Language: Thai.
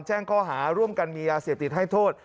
แจ้งข้อหาร่วมกันมียาเสพติดให้โทษ